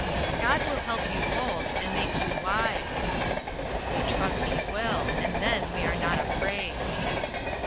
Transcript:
"God will help you both, and make you wise." "We trust He will; and then we are not afraid."